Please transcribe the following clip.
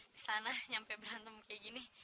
disana nyampe berantem kayak gini